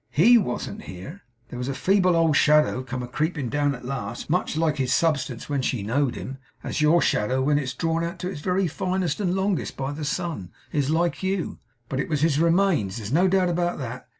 'HE wasn't here. There was a feeble old shadow come a creeping down at last, as much like his substance when she know'd him, as your shadow when it's drawn out to its very finest and longest by the sun, is like you. But it was his remains, there's no doubt about that.